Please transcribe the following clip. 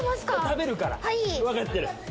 食べるから分かってる。